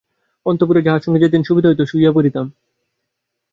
অন্তঃপুরে যাহার সঙ্গে যেদিন সুবিধা হইত তাহার সঙ্গেই শুইয়া পড়িতাম।